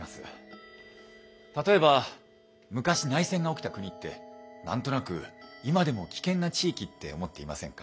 例えば昔内戦が起きた国って何となく今でも危険な地域って思っていませんか？